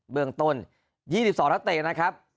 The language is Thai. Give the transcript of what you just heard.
เบื้องต้นยี่สิบสองฮัตเตะนะครับ